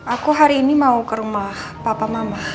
aku hari ini mau ke rumah papa mama